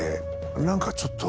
何かちょっと。